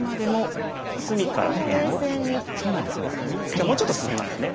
じゃあもうちょっと進めますかね。